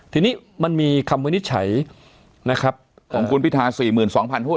ทีนี้มันมีคำวินิจฉัยนะครับของคุณพิทา๔๒๐๐หุ้น